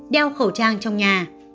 đeo khẩu trang trong nhà